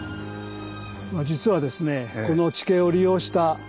実はですねえっ！